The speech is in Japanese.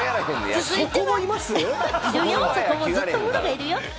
ずっとこの先もムロがいるよ。